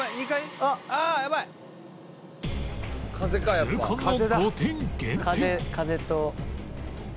痛恨の５点減点